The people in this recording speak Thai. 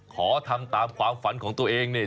ขอทำตามความฝันของตัวเองเนี่ย